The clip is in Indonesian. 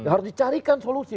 harus dicarikan solusi